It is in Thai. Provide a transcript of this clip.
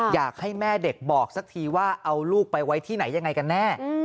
อยากให้แม่เด็กบอกสักทีว่าเอาลูกไปไว้ที่ไหนยังไงกันแน่